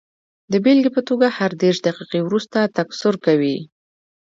د بېلګې په توګه هر دېرش دقیقې وروسته تکثر کوي.